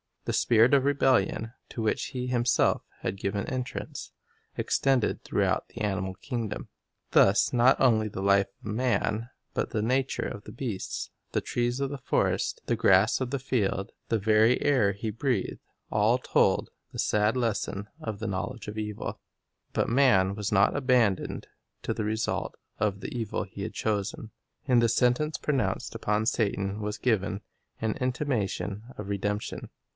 The spirit of rebellion, to which he himself had given entrance, extended through out the animal creation. Thus not only the life of man, 'Gen. 3:17 19. The Knowledge of Good and Evil 27 but the nature of the beasts, the trees of the forest, the grass of the field, the very air he breathed, all told the sad lesson of the knowledge of evil. But man was not abandoned to the results of the evil he had chosen. In the sentence pronounced upon Satan was given an intimation of redemption.